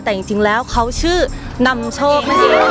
แต่จริงแล้วเขาชื่อนำโชค